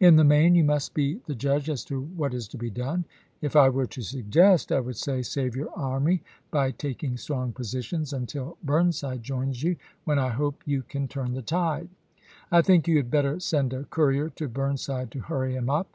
In the main you must be the judge as to what is to be done. If I were to suggest, I would say, save your army by taking strong posi tions until Burnside joins you, when, I hope, you can turn the tide. I think you had better send a courier to Burnside to hurry him up.